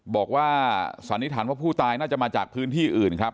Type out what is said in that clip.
สันนิษฐานว่าผู้ตายน่าจะมาจากพื้นที่อื่นครับ